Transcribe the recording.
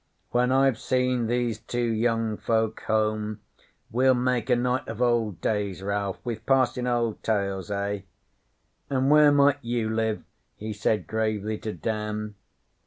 'When I've seen these two young folk home, we'll make a night of old days, Ralph, with passin' old tales eh? An' where might you live?' he said, gravely, to Dan.